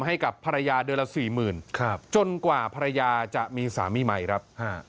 ให้กับภรรยาเดือนละ๔๐๐๐๐บาทจนกว่าภรรยาจะมีสามีใหม่ครับ